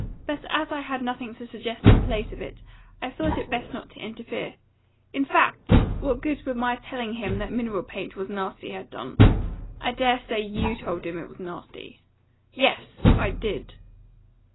But as I had nothing to suggest in place of it, I thought it best not to interfere. In fact, what good would my telling him that mineral paint was nasty have done? I dare say YOU told him it was nasty." "Yes! I did."